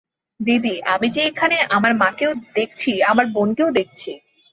দিদি, আমি যে এখানে আমার মাকেও দেখছি আমার বোনকেও দেখছি।